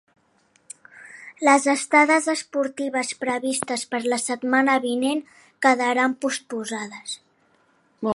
Les estades esportives previstes per la setmana vinent quedaran postposades.